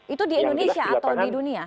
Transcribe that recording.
itu di indonesia atau di dunia